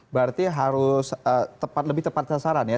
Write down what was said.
berarti harus lebih tepat sasaran ya